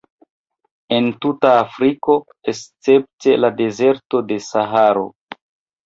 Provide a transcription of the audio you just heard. En tuta Afriko, escepte la dezerto de Saharo.